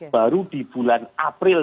baru di bulan april dua ribu dua puluh dua